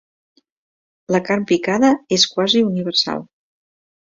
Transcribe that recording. La carn picada és quasi universal.